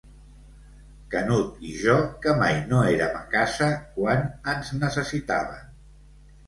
Canut i jo que mai no érem a casa quan ens necessitaven.